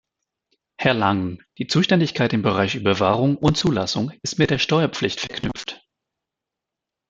Herr Langen, die Zuständigkeit im Bereich Überwachung und Zulassung ist mit der Steuerpflicht verknüpft.